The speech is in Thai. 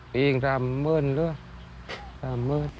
มันเลือกตามเมือง